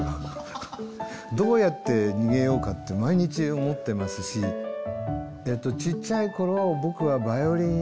どうやって逃げようかって毎日思ってますしちっちゃい頃僕はバイオリンやってたんです。